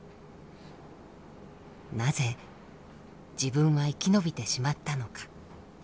なぜ自分は生き延びてしまったのか。